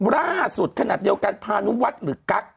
ล่าสุดขนาดเดียวกันพานุวัฒน์หรือกั๊ก